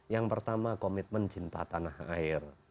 yang pertama komitmen cinta tanah air